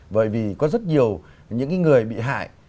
vậy vì có rất nhiều những người bị hại